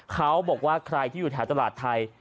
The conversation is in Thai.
เขาบอกว่าใครที่อยู่แถวตลาดไทย